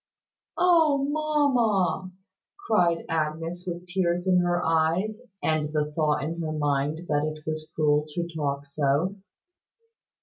"Oh! Mamma!" cried Agnes, with tears in her eyes, and the thought in her mind that it was cruel to talk so.